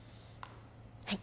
はい